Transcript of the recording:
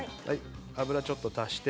油をちょっと足して。